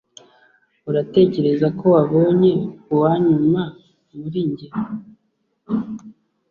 uratekereza ko wabonye uwanyuma muri njye,